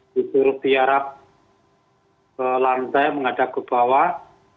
disuruh biarap ke lantai menghadap ke bawah